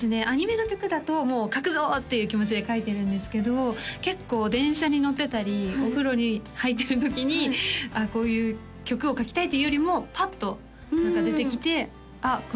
アニメの曲だともう書くぞ！っていう気持ちで書いてるんですけど結構電車に乗ってたりお風呂に入ってるときにああこういう曲を書きたいっていうよりもパッと何か出てきてあっ